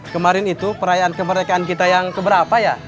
kemarin itu perayaan kemerdekaan kita yang keberapa ya